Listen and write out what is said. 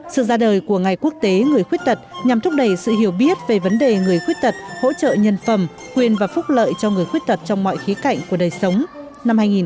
sự ra đời của ngày quốc tế người khuyết tật nhằm thúc đẩy sự hiểu biết về vấn đề người khuyết tật hỗ trợ nhân phẩm quyền và phúc lợi cho người khuyết tật trong mọi khí cạnh của đời sống